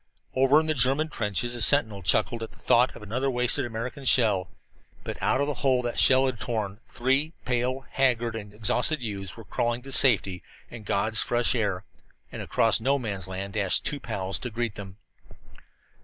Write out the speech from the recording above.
Over in the German trenches a sentinel chuckled at the thought of another wasted American shell, but out of the hole that that shell had torn three pale, haggard, and exhausted youths were crawling to safety and God's fresh air. And across No Man's Land dashed two pals to greet them.